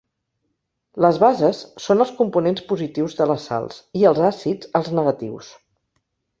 Les bases són els components positius de les sals, i els àcids, els negatius.